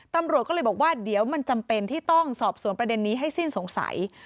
ตำรวจก็เลยบอกว่าเดี๋ยวมันจำเป็นที่ต้องสอบสวนประเด็นนี้ให้สิ้นสงสัย